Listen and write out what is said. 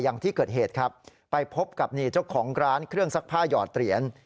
อย่างที่เกิดเหตุครับไปพบกับนี่เจ้าของร้านเครื่องซักผ้าหยอดเหรียญ